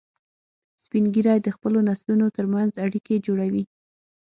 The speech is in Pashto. سپین ږیری د خپلو نسلونو تر منځ اړیکې جوړوي